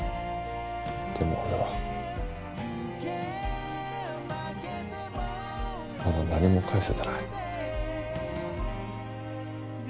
でも俺はまだ何も返せてない。